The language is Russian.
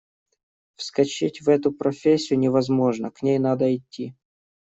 Вскочить в эту профессию невозможно, к ней надо идти.